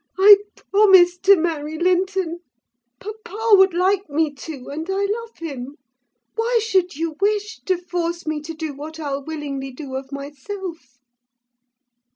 I promise to marry Linton: papa would like me to: and I love him. Why should you wish to force me to do what I'll willingly do of myself?"